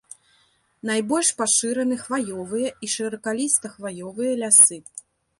Найбольш пашыраны хваёвыя і шыракаліста-хваёвыя лясы.